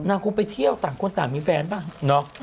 นางคุณไปเที่ยวต่างคนต่างมีแฟนบ้าง